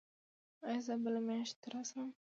ایا زه بله میاشت راشم؟